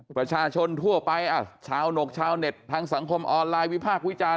ประชาชนทั่วไปชาวหนกชาวเน็ตทางสังคมออนไลน์วิพากษ์วิจารณ์